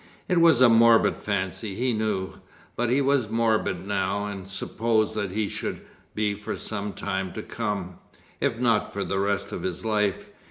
It was a morbid fancy, he knew, but he was morbid now, and supposed that he should be for some time to come, if not for the rest of his life.